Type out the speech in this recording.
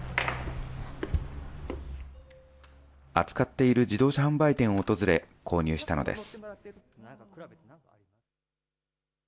扱っている自動車販売店を訪れ、購入したのです。